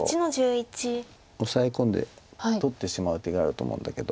オサエ込んで取ってしまう手があると思うんだけど。